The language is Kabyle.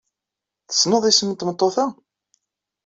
Tessneḍ isem n tmeṭṭut-a?